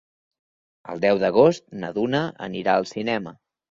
El deu d'agost na Duna anirà al cinema.